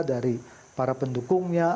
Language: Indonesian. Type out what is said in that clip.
dari para pendukungnya